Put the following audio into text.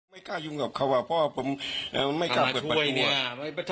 ไม่กล้ายุ่งกับเขาเพราะว่าไม่กล้าเปิดประตู